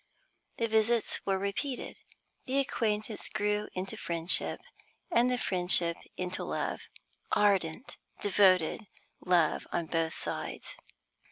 The visits were repeated; the acquaintance grew into friendship, and the friendship into love ardent, devoted love on both sides.